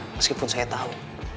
meskipun saya tau